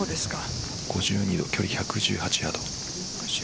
５２度、距離１８０ヤード。